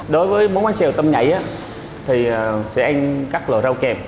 đối với món bánh xèo tôm nhảy thì sẽ ăn các loại rau kèm